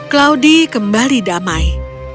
claudia kembali damai